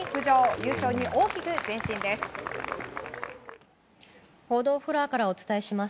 優勝に大きく前進です。